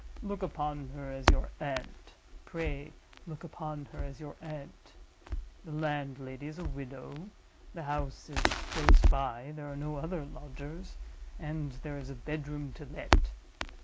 Look upon her as your aunt; pray look upon her as your aunt. The landlady is a widow, the house is close by, there are no other lodgers, and there is a bedroom to let.